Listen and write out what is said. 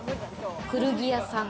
古着屋さん。